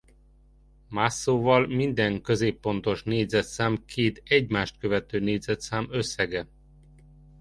Más szóval minden középpontos négyzetszám két egymást követő négyzetszám összege.